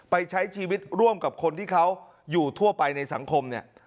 ใช้ชีวิตร่วมกับคนที่เขาอยู่ทั่วไปในสังคมเนี่ย